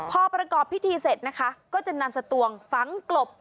พอประกอบพิธีเสร็จนะคะก็จะนำสตวงฝังกลบ